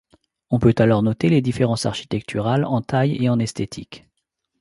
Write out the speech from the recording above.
On peut alors noter les différences architecturales en taille et en esthétique.